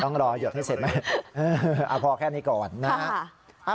ต้องรอหยดให้เสร็จไหมพอแค่นี้ก่อนนะฮะ